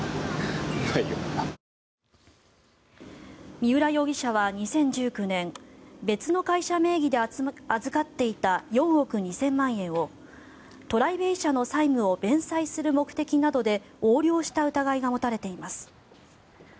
三浦容疑者は２０１９年別の会社名義で預かっていた４億２０００万円をＴＲＩＢＡＹ社の債務を弁済する目的などで横領した疑いが持たれています。